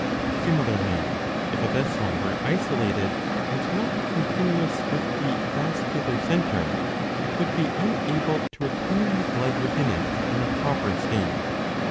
Similarly if a vessel were isolated, and not continuous with the vascular centre, it would be unable to retain the blood within it in a proper state.